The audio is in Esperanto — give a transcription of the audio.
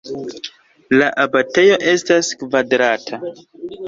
La abatejo estas kvadrata.